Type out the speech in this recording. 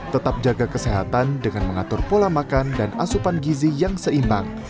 tetap jaga kesehatan dengan mengatur pola makan dan asupan gizi yang seimbang